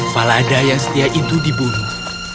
falada yang setia itu dibunuh